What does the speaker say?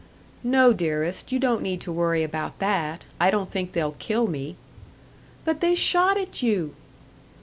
"No, dearest you don't need to worry about that I don't think they'll kill me." "But they shot at you!"